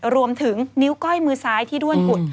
รวมถึงนิ้วก้อยมือซ้ายที่ด้วนกุด